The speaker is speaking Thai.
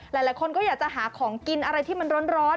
หลายคนก็อยากจะหาของกินอะไรที่มันร้อน